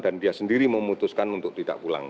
dan dia sendiri memutuskan untuk tidak pulang